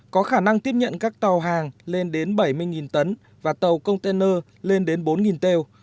có khả năng tiếp nhận các tàu hàng lên đến bảy mươi tấn và tàu container lên đến bốn têu